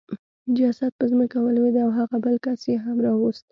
جسد په ځمکه ولوېد او هغه بل کس یې هم راوست